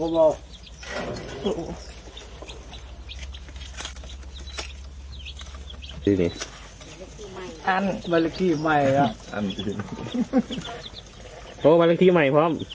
โอ้ววัลกี้ใหม่พร้อม